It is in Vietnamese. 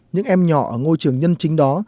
những em nhỏ ở ngôi trường nhân chính đó